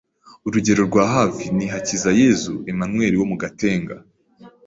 Urugero rwa hafi ni Hakizayezu Emmanuel wo Gatenga